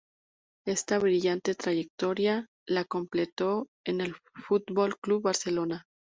Esta brillante trayectoria la completó en el Fútbol Club Barcelona.